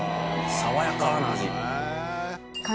爽やかな味。